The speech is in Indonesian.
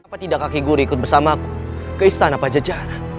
apa tidak kakek guru ikut bersama aku ke istana pajajara